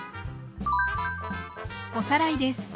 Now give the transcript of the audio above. おさらいです。